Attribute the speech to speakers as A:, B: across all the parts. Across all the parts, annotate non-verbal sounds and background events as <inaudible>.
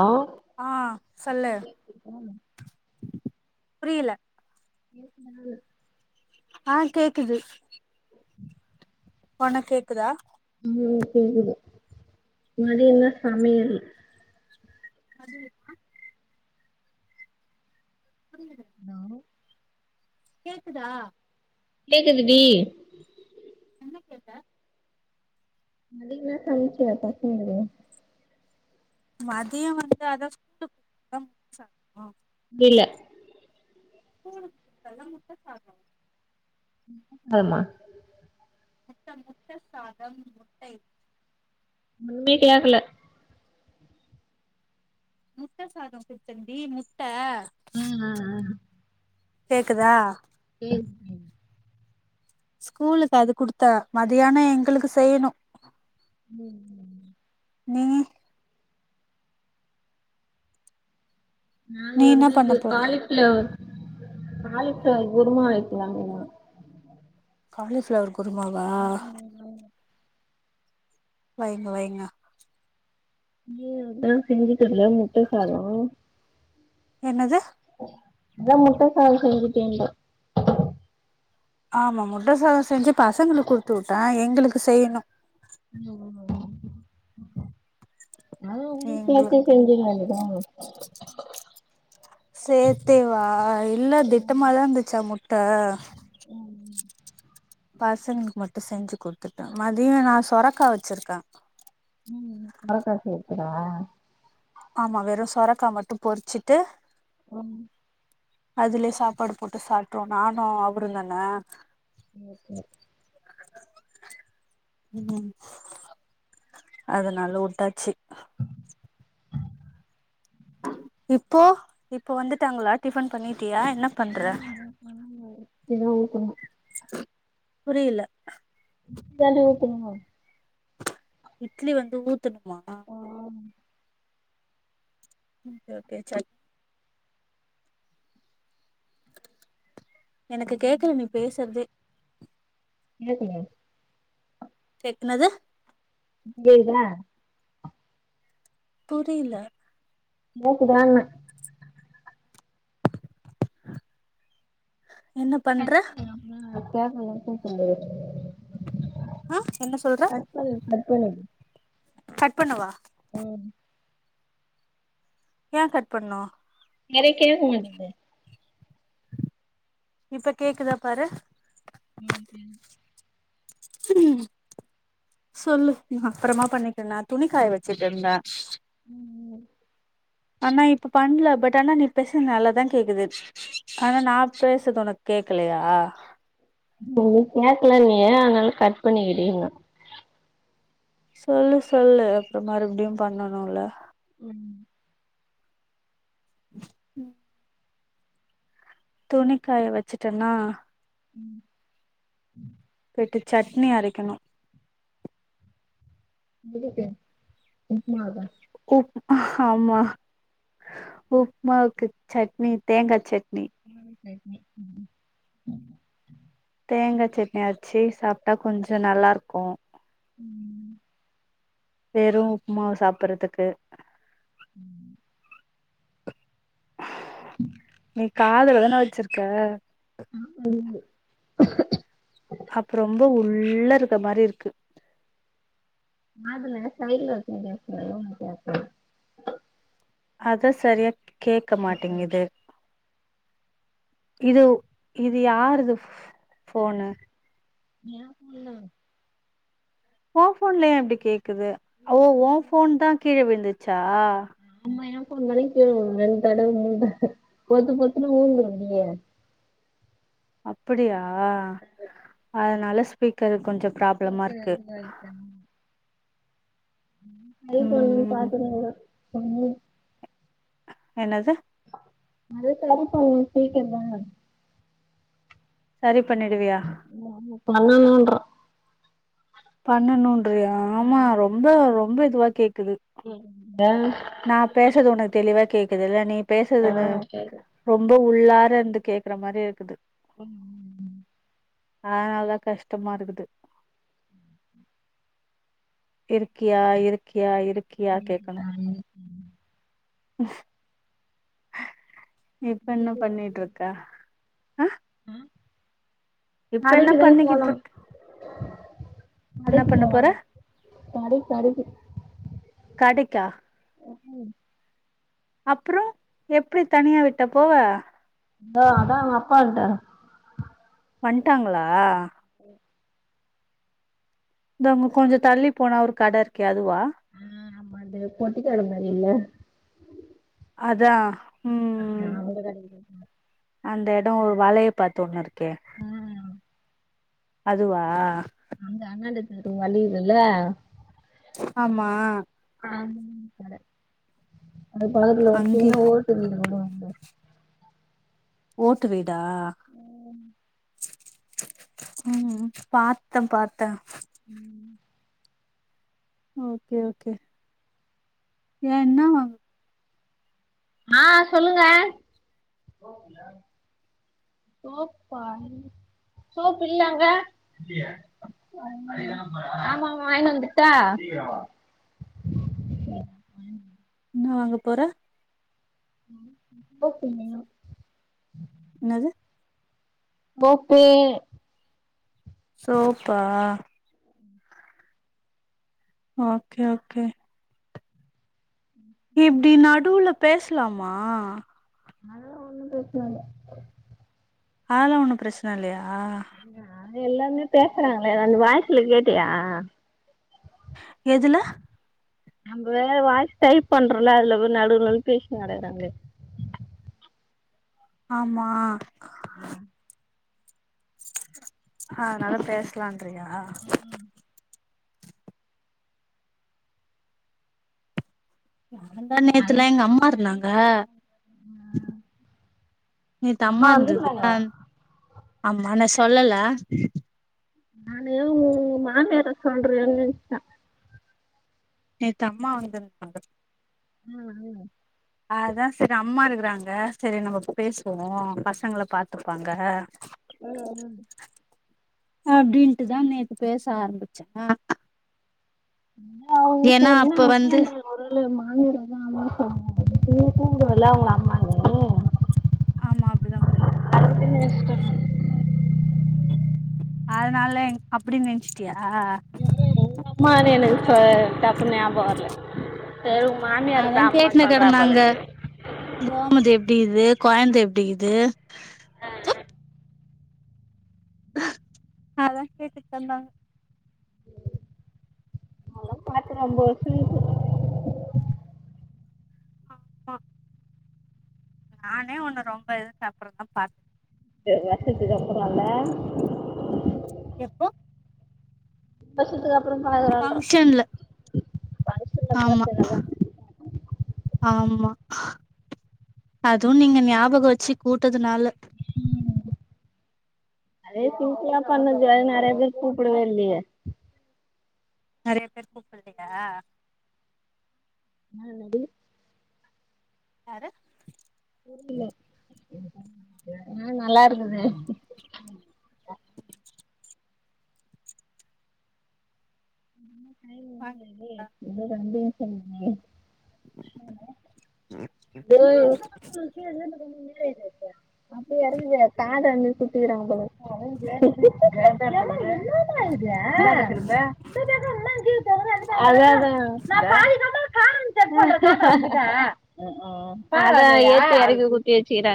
A: ஆ
B: ஆ சொல்லு புரியுல
A: பேசுனது
B: ஆ கேக்குது
A: <inaudible>
B: உனக் கேக்குதா
A: ம் கேக்குது மதியோ என்ன சமையல்
B: அது <unintelligible>
A: ஹலோ
B: கேக்குதா
A: கேக்குது டி
B: என்ன கேட்ட
A: மதியம் இன்னா சமச்ச பசங்களுக்கு
B: மதியோ வந்து அதா ஸ்கூலுக்கு போனும் <unintelligible>
A: இங்க இல்ல
B: ஸ்கூலுக்கு குத்தல முட்ட சாதோ
A: ஆமா
B: முட்ட முட்ட சாதம் முட்டை
A: ஒன்னுமே கேக்கல
B: முட்ட சாதம் குடுத்தன்டீ முட்ட கேக்குதா
A: ம்
B: ஸ்கூலுக்கு அது குடுத்தா மதியானம் எங்களுக்கு செய்யணு
A: ம் ம்
B: நீ
A: நாங்க
B: நீ என்ன பண்ண
A: வந்து
B: போற
A: காலிஃளவர் காலிஃளவர் குருமா வைக்கலான்னு
B: காலிஃப்ளவர் குருமாவா வைங்க வைங்க
A: நீ அதுதா செஞ்சிட்டல்ல முட்ட சாதோ
B: என்னது
A: அதா முட்ட சாதோ செஞ்சிட்டிங்கலே
B: ஆமா முட்ட சாதோ செஞ்சு பசங்களுக்கு குடுத்து விட்டே எங்களுக்கு செய்யணு
A: ம் ம் அதும் உங்களுக்கு சேத்தே செஞ்சிர வேண்டியதான
B: சேத்தே வா இல்ல திட்டமாதா இருந்துச்சா முட்ட பசங்களுக்கு மட்டு செஞ்சு குடுத்துட்டே மதியோ நா சொரக்கா வச்சிருக்கே
A: ம் சொரக்கா இருக்குதா
B: ஆமா வெறு சொரக்கா மட்டு பொறிச்சிட்டு
A: ம்
B: அதுலயே சாப்பாடு போட்டு சாப்ட்ருவோ நானு அவருந்தான
A: ஓகே
B: ம் அதனால உட்டாச்சு இப்போ இப்போ வந்துட்டாங்களா டிபன் பண்ணிட்டியா என்ன
A: ஆ
B: பண்ற
A: இதா பண்ணுங்க. இதா ஊத்தணு
B: புரியல
A: இத்தாலி ஊத்தணுமோ
B: இட்லி வந்து ஊத்தணுமா
A: ஆ
B: ஓகே ஓகே சட் எனக்கு கேக்கல நீ பேசுறதே
A: கேக்குது
B: கேக் என்னது
A: கேக்குதா
B: புரியல
A: கேக்குதான்னே
B: என்ன பண்ற
A: ஆ கேக்கல
B: ஆ என்ன சொல்ற
A: பண்ணு கட் பண்ணிடு
B: கட் பண்ணவா
A: ம்
B: ஏ கட் பண்ணும்
A: எனக்கு கேக்க மாட்டுது
B: இப்ப கேக்குதா பாரு
A: ம் ம்
B: ம் சொல்லு அப்பறமா பண்ணிக்கலா துணிக்காய வச்சுட்டு இருந்தே
A: ம் ம்.
B: ஆனா இப்ப பண்ல பட் ஆனா நீ பேசது நல்லாதா கேக்குது. ஆனா நா பேசது உனக் கேக்கலையா?
A: நீ <inaudible> கேக்கலன்னியே அதனால கட் பண்ணிக்கிடின்ன.
B: சொல்லு சொல்லு அப்றோ மறுபுடியும் பண்ணுனுல்ல.
A: ம்.
B: உம் துணிக்காய வெச்சுட்டன்னா
A: ம்.
B: போயிட்டு சட்னி அரைக்கணு.
A: எதுக்கு உப்மாவுக்கா?
B: குப் ஆமா உப்மாவுக்கு சட்னி தேங்கா சட்
A: <inaudible> சட்னி ம் ம்.
B: தேங்கா சட்னி அரச்சி சாப்ட்டா கொஞ்சோ நல்லாருக்கு.
A: ம்.
B: வெறு உப்மாவ சாப்பறதுக்கு.
A: ம்.
B: நீ காதுல தான வெச்சிருக்க.
A: ஆமா <inaudible>
B: அப் ரொம்ப உள்ள இருக்க மாரி இருக்கு.
A: காதுல சைட்ல வெச்சினு பேசறது உனுக் கேக்கல.
B: அதா சரியாக் கேக்க
A: ம் ம்
B: மாட்டிங்குது. இதுவ் இது யாருது ஃப் ஃப் ஃபோனு?
A: ஏ ஃபோன் தா.
B: ஓ ஃபோன்ல ஏ இப்டி கேக்குது? ஓ ஓ ஃபோன் தா கீழ விழுந்துச்சா?
A: ஆமா ஏ ஃபோன்தாடி கீழ உழுந்து ரெண் தடவ மூணு தட பொத்து பொத்துனு உழுந்துருதுடி.
B: அப்பிடியா அதனால ஸ்பீக்கரு கொஞ்சோ ப்ராப்ளமா
A: ஓகே <inaudible>
B: இருக்கு
A: <inaudible>
B: ம்
A: ஃபோனயே
B: ம்
A: பாக்கறிங்களோ சாமி.
B: என்னது?
A: மதிய <inaudible>
B: சரி பண்ணிடுவியா?
A: ஓ ஆமா பண்ணுனுன்றே.
B: பண்ணுனுன்றியா ஆமா ரொம்ப ரொம்ப இதுவா கேக்குது.
A: ம் ம் ம் வேற?
B: நா பேசறது உனக் தெளிவா கேக்குதில்ல நீ பேசறது
A: ஆ
B: எனு
A: கேக்குது
B: ரொம்ப உள்ளார இருந்து கேக்கற மாரியே இருக்குது.
A: <inaudible>
B: ஆ அதா கஷ்டமா இருக்குது. இருக்கியா இருக்கியா இருக்கியா கேக்கணு. இப்ப
A: <inaudible>
B: என்ன பண்ணிட்ருக்க ஆ
A: அ
B: இப்ப என்ன
A: கடைக்கு எதாது போலா.
B: பண்ணிக்கிட்ருக்க என்ன
A: கடைக்கி
B: பண்ண போற
A: போலானே கடைக் கடைக்கி.
B: கடைக்கா?
A: அ உ
B: அப்புரோம் எப்டி தனியா விட்டா போவ
A: தா அதான் அவன் அப்பா வன்டாரு
B: வன்ட்டாங்களா தா அங்க கொஞ்சம் தள்ளி போனா ஒரு கடை இருக்கே அதுவா
A: அ ஆமா அது பொட்டிக்கட மாறி இல்ல
B: அதா ம்
A: நா கூட <unintelligible>
B: அந்த எடம் வலைய பாத்து ஒன்னு இருக்கே
A: ஆ
B: அதுவா
A: அந்த அண்டாத்து வழிதுல்ல
B: ஆமா
A: ஹ அது பக்கத்துல ஒரு சின்ன
B: அங்கே
A: ஓட்டுவீடு ஒன்னு வரும் பாரு
B: ஓட்டு வீடா ம் பாத்தே பாத்தேன்
A: <inaudible>
B: ஓகே ஓகே ஏன்னா
A: ஆ சொல்லுங்க <unintelligible> சோப் இல்ல அங்க இல்லியே ஆமா ஆமா வாயின் வந்துட்டா சீக்கிர வா
B: ன்னா வாங்க போற
A: சோப்பில்ல
B: ன்னது
A: சோப்பே
B: சோப்பா ஓகே ஓகே இப்டி நடுவுல பேஸ்லாமா
A: அதுலா ஒன்னும் பிரச்ன இல்ல
B: ஆல்லாம் ஒண்ணும் பிரச்சன இல்லயா
A: ஆ எல்லாருமே பேசுறாங்ளே அந்த வாயசுல கேட்டியா
B: எதுல
A: நம்பே வாய்ஸ் டைப் பண்றோல்ல அதுல பார் நடுவுல நடுவுல பேசிட் கிடக்கறாங்ளே
B: ஆமா அதுனால பேஸ்லான்றியா முந்தா நேத்
A: அதுலா ஓகேய்
B: நேத்து அம்மா இருந்துதுல ஆமாண்ட சொல்லல
A: நானு உ மாமியார சொல்ரேனு நினச்சட்ட
B: நேத்து அம்மா வந்திரு தாங்க
A: <unintelligible>
B: அதான் சேரி அம்மா இருக்றாங்க சேரி நம்ப பேசுவோ பசங்கள பாத்துப்பாங்க <inaudible>
A: <unintelligible>
B: அப்டின்ட்டுதா நேத்து பேச ஆரம்பிச்சே ஏன்னா அப்ப வந்து
A: <unintelligible> குரலு மாமியார் தான் அம்மா சொன்னு கூப்டுவல அவுங்க அம்மானு
B: ஆமா அப்டிதான் கூப்டு
A: அதுக்குன்னு
B: அதனால அப்டின்னு நெனச்சிட்டியா
A: அம்மானு எனக்கு ட டக்குனு ஞாபம் வர்ல சேர் உ மாமியார
B: அதா
A: தா அம்மானு
B: கேட்டுனு கெடந்தாங்க
A: சொல்றபோலக்குது
B: கோமதி எப்டிக்து கொழந்த எப்டிக்து
A: ஆ ஆ
B: அ அதான் கேட்டி தந்தாங்க
A: அதல்லா பாத்து ரொம்ப வருஷதுக்கு போனு
B: ஆமா நானே ஒன்ன ரொம்ப இது அப்ரந்தா பாத்த
A: சில வருசத்துக் அப்பரோல்ல
B: எப்போ
A: வருஷத்துக்கு அப்புற பழகுறோன்ற
B: ஃபங்க்ஷன்ல ஆமா ஆமா அதுவு நீங்க ஞாபக வச்சு கூட்டதுனால
A: ம் அதயே சிம்பிளா பண்ணது அது நறைய பேரு கூப்படவே இல்லயே
B: நறைய பேர் கூப்பல்லயா
A: என்ன என்னாடி
B: யாரு
A: புரில ஆ நல்லா இருக்கனே
B: <inaudible>
A: ஊரே
B: ப
A: ஏ இன்னு ரெண்டு வருசம் இருக்குங்க விரே அப்டியே இறங்கி காது அங்கயே குத்திகிறாங்க பொலக்குது இன்னா டா இது இந்தாண்ட திரும்பு அதாஅதா உகும் பார ஏத்தி இறக்கி குத்தி வச்சக்கிறே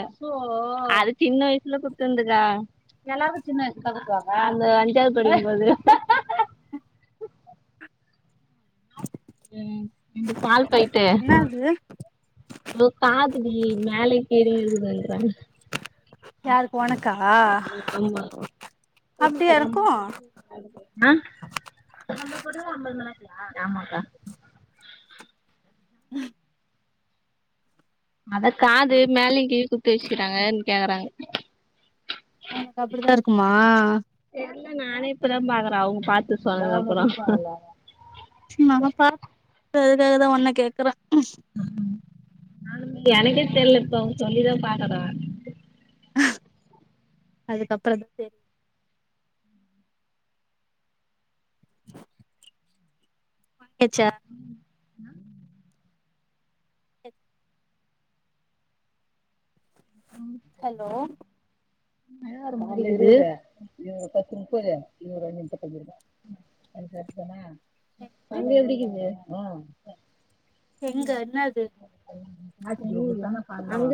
A: அது சின்ன வயசுல குத்துந்துக்கா எல்லா சின்ன வயசுல குத்துவாங்க அந்த அஞ்சாது படிக்கும் போது ம் ரெண்டு பால் பால்பாய்ட்டு
B: என்னாது
A: தோ காதுடி மேலயு கிழயு இருக்குசைசா
B: யாருக் ஒனக்கா
A: ஆமா
B: அப்டியா இருக்கோ
A: அ ஆமாக்கா
B: ம்
A: அத காது மேலயும் கீழயும் குத்தி வச்சுக்கிறாங்கன்னு கேக்கறாங்க
B: ஒனக்கு அப்டித்தா இருக்குமா
A: தெர்ல நானே இப்பதா பாக்கற அவுங்க பாத்து சொன்துகுஅப்பறம்
B: சீனா ந பாஸ் அதுக்காகதா ஒன்ன கேக்கற
A: நானுமே எனக்கே தெர்ல இப்ப அவுங்க சொல்லிதா பாக்கற
B: அதுக்கப்பறம் தான் தெ வாங்கியாச்சா
A: ம்
B: ஹலோ
A: இது ஒரு பத்து நுப்பது இது ஒரு அஞ்சு நுப்பத்தஞ்சு இருக்கு கணக்கு செர்தானா ம் ம்
B: எங்க
A: அங்க
B: என்னது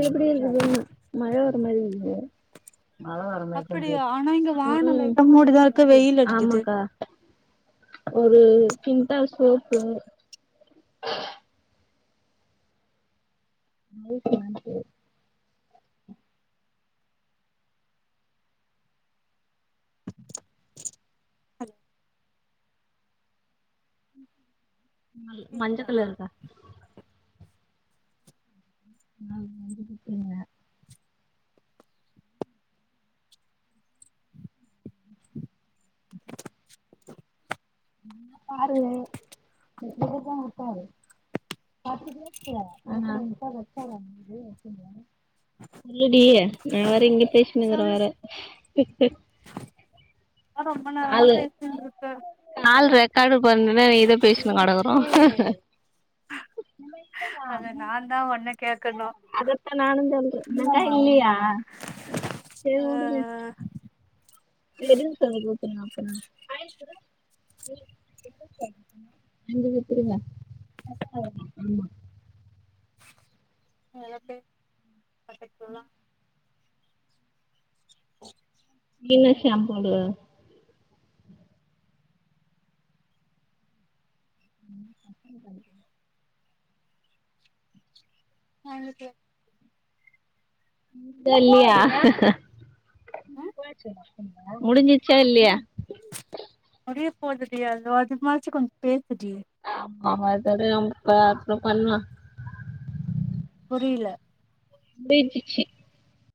A: எப்டி இருக்குதுன்னே மழ வர்ற மாரி இருக்குது
B: அப்படியா ஆனா இங்க
A: ம்
B: வானோ லைட்டா மூடிதா இருக்கு
A: ம்
B: வெயில் அடிக்குது
A: ஆமாங்க்கா ஒரு சின்தால் சோப்பு அது மாரி ஷேம்பு மஞ்ச
B: கேக்குதா
A: கலருக்கா அண்ணா அது கொண்டி குடுத்துருங்க நீ வேன்னா பாரு <unintelligible> இந்த பக்கோ குடுத்தாரு ஆ ஹா சொல்லுடி நா வேற இங்க பேசிக்கினுக்குற வேற
B: ஆட்டா ம
A: காலு கால் ரெக்கார்டு பண்ணுனேன்னா நீ இத பேசு கடக்குறோ
B: அத நாந்தா ஒன்ன கேக்கணு
A: அதத்தா நானு சொல்றே செரி உடுங்க
B: ஆ
A: இது எதுன்னு சொல்லி குடுத்தீங்க அப்பறமா அஞ்சு வித்துருங்க ஆமா
B: <unintelligible>
A: நீ என்ன ஷாம்பு போடுவ ம் கம்பனி காரு <unintelligible>
B: வாங்கிக்கிறே
A: தா இல்லியா முடிஞ்சுச்சா இல்லையா
B: முடிய போதுடி அது வாட்டுக் மறச்சு கொஞ்சு பேசுடி
A: ஆமா அதாவது அவுங்க ப அப்றோ பண்லா
B: புரியில
A: <unintelligible>